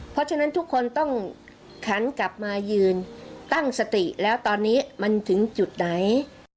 เพราะฉะนั้นทุกคนต้องขันกลับมายืนตั้งสติแล้วตอนนี้มันถึงจุดไหน